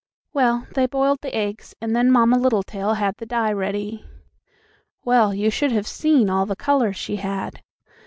Well, they boiled the eggs, and then Mamma Littletail had the dye ready. Well, you should have seen all the colors she had!